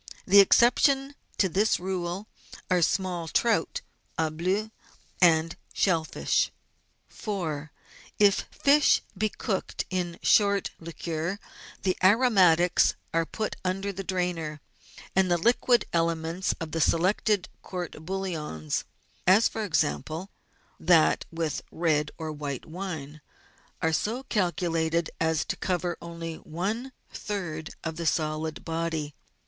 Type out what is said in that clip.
The ex ceptions to this rule are small trout " au bleu " and shell fish. 4. If fish be cooked in short liquor the aromatics are put under the drainer and the liquid elements of the selected court bouillon (as, for example, that with red or white wine) are so calculated as to cover only one third of the solid body.